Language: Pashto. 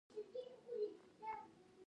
دغه شخړې پر خونړیو کورنیو جګړو واوښتې.